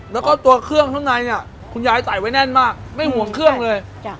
แล้วก็ตัวเครื่องข้างในเนี่ยคุณยายใส่ไว้แน่นมากไม่ห่วงเครื่องเลย